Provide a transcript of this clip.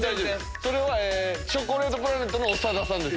それはチョコレートプラネットの長田さんです。